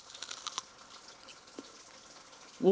お！